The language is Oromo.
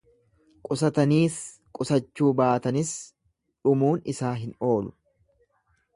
Qusataniis qusachuu baatanis dhumuun isaa hin oolu.